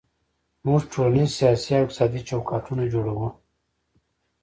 موږ ټولنیز، سیاسي او اقتصادي چوکاټونه جوړوو.